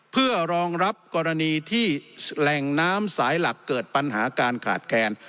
เพื่อรองรับกรณีที่แหล่งน้ำสายหลักเกิดปัญหาการขาดแคลน